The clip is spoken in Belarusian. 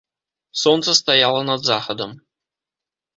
Сонца стаяла над захадам.